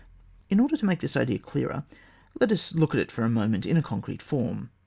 In order to make this idea clearer let us look at it for a moment in a concrete form.